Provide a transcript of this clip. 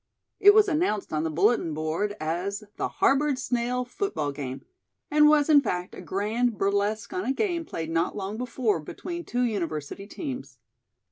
It was announced on the bulletin board as the "Harboard Snail Football Game," and was, in fact, a grand burlesque on a game played not long before between two university teams.